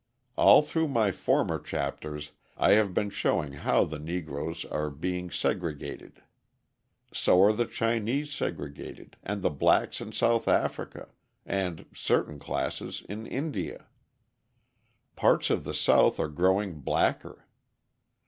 All through my former chapters I have been showing how the Negroes are being segregated. So are the Chinese segregated, and the blacks in South Africa, and certain classes in India. Parts of the South are growing blacker.